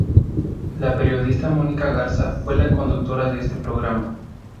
La periodista Mónica Garza fue la conductora de este programa.